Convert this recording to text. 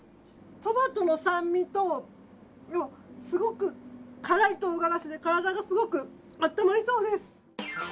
トマトの酸味とすごく辛いとうがらしで体がすごく温まりそうです。